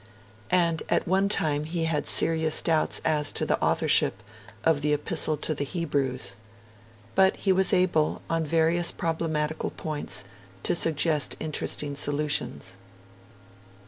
And at one time he had serious doubts as to the authorship of the Epistle to the Hebrews. But he was able, on various problematical points, to suggest interesting solutions.